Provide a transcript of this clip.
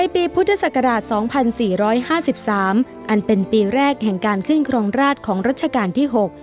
ภูติศักราชาวของสะพานที่๖ปี๒๔๕๓นสในปีภูติศักราชา๒๔๕๓อันเป็นปีแรกแห่งการขึ้นครองราชของรัชกาลที่๖